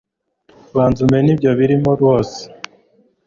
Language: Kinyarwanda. banz umene ibyo birimo rwose